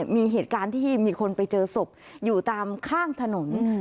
มีเหตุการณ์ที่มีคนไปเจอศพอยู่ตามข้างถนน